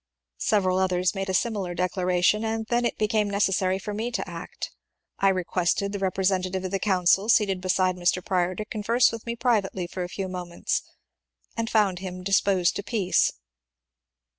Several others made a similar dedaration, and it then became necessary for me to act. I requested the representa tive of the council seated beside Mr. Prior to converse with me privately for a few moments, and found him disposed to peace.